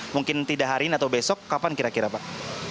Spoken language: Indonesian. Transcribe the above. mungkin tidak hari ini atau besok kapan kira kira pak